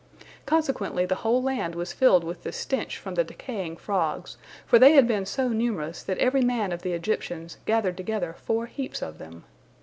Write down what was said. Consequently the whole land was filled with the stench from the decaying frogs, for they had been so numerous that every man of the Egyptians gathered together four heaps of them.